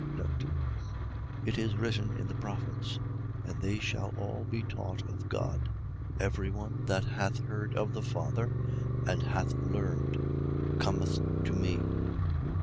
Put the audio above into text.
It is written in the prophets: And they shall all be taught of God. Every one that hath heard of the Father and hath learned cometh forth me.